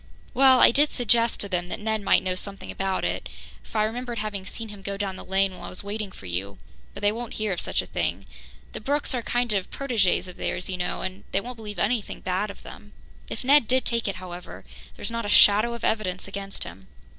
"Well, I did suggest to them that Ned might know something about it, for I remembered having seen him go down the lane while I was waiting for you, but they won't hear of such a thing. The Brookes are kind of protégés of theirs, you know, and they won't believe anything bad of them. If Ned did take it, however, there's not a shadow of evidence against him."